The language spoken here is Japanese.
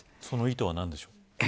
その意図はなんでしょう。